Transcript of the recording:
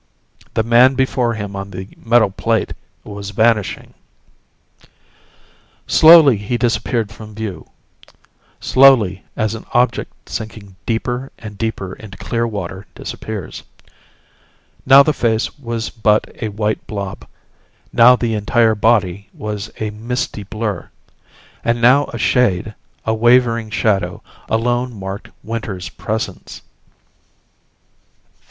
The man before him on the metal plate was vanishing. Slowly he disappeared from view slowly, as an object sinking deeper and deeper into clear water disappears. Now the face was but a white blob. Now the entire body was but a misty blur. And now a shade, a wavering shadow, alone marked Winter's presence.